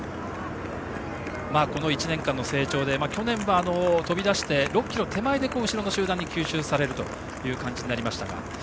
この１年間の成長で去年は飛び出して６ｋｍ手前で後ろの集団に吸収される感じになりましたが。